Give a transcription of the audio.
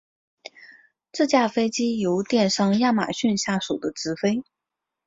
这架飞机由电商亚马逊下属的执飞。